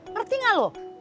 ngerti gak lu